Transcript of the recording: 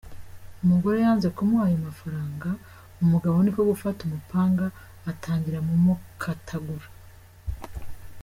Umugore yanze kumuha ayo mafaranga umugabo niko gufata umupanga atangira mu mukatagura.